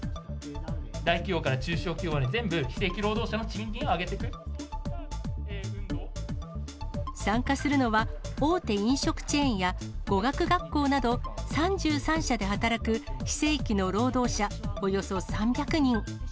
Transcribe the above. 大企業から中小企業まで、全部、参加するのは、大手飲食チェーンや、語学学校など３３社で働く非正規の労働者、およそ３００人。